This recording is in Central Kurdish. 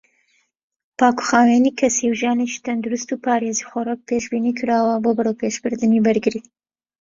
پاکوخاوێنی کەسی و ژیانێکی تەندروست و پارێزی خۆراک پێشبینیکراوە بۆ بەرەوپێشبردنی بەرگری.